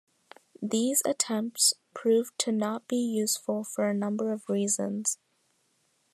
These attempts proved to not be useful for a number of reasons.